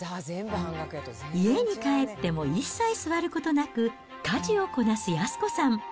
家に帰っても一切座ることなく、家事をこなす安子さん。